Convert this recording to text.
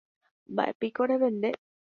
Mba'épiko revende.